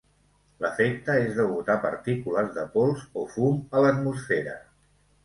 L'efecte és degut a partícules de pols o fum a l'atmosfera.